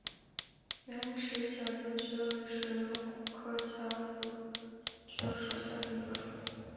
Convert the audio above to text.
圆齿假瘤蕨为水龙骨科假瘤蕨属下的一个种。